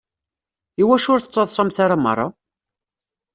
Iwacu ur tettaḍsamt ara merra?